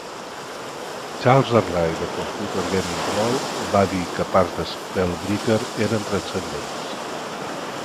Charles Ardai de "Computer Gaming World" va dir que parts de "Spellbreaker" eren "transcendents".